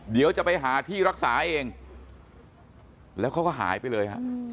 เดี๋ยวจะไปหาที่รักษาเองแล้วเขาก็หายไปเลยฮะ